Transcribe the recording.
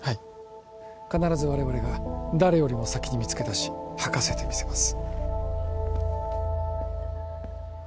必ず我々が誰よりも先に見つけ出し吐かせてみせます